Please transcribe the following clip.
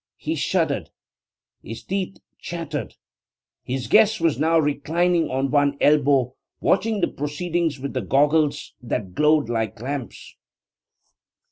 He shuddered; his teeth chattered. His guest was now reclining on one elbow, watching the proceedings with the goggles that glowed like lamps.